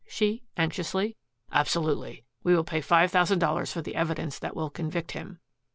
she anxiously. "Absolutely. We will pay five thousand dollars for the evidence that will convict him."